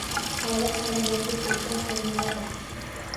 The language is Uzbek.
Sog’lik-salomatlik ulkan xazinadir.